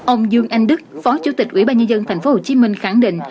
ông dương anh đức phó chủ tịch ủy ban nhân dân thành phố hồ chí minh khẳng định